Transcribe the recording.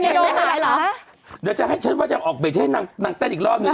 เดี๋ยวจะให้ฉันพูดว่าจะออกเบรกจะให้นางนางเต้นอีกรอบหนึ่ง